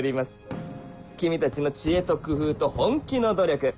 君たちの知恵と工夫と本気の努力